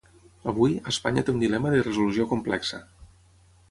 Avui, Espanya té un dilema de resolució complexa